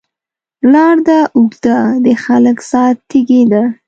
لار ده اوږده، د هلک ساه تږې ده